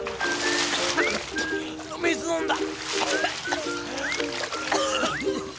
水飲んだ。